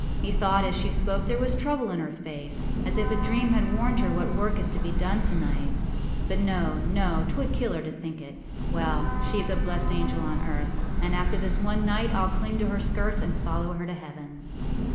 Methought as she spoke there was trouble in her face, as if a dream had warned her what work is to be done tonight. But no, no; âtwould kill her to think it. Well, sheâs a blessed angel on earth; and after this one night Iâll cling to her skirts and follow her to heaven.